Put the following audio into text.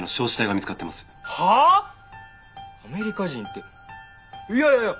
アメリカ人っていやいやいや